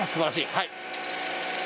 はい。